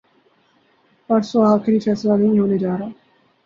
پرسوں آخری فیصلہ نہیں ہونے جارہا۔